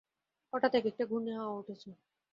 হঠাৎ একেকটা ঘূর্ণি হাওয়া উঠেছে।